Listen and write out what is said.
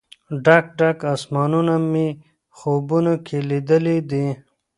ډک، ډک اسمانونه مې خوبونو کې لیدلې دي